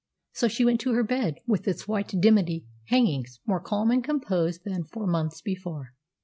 So she went to her bed, with its white dimity hangings, more calm and composed than for months before.